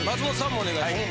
お願いします。